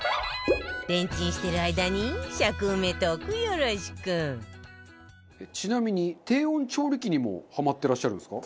レンチンしてる間にちなみに低温調理器にもハマってらっしゃるんですか？